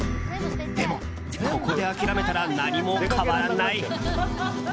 でも、ここで諦めたら何も変わらない。